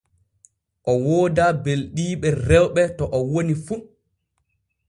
O woodaa beldiiɓe rewɓe to o woni fu.